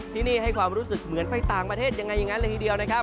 ที่นี่ให้ความรู้สึกเหมือนไปต่างประเทศยังไงอย่างนั้นเลยทีเดียวนะครับ